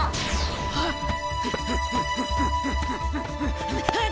あっ！